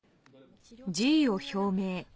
辞意を表明。